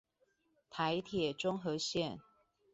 臺鐵中和線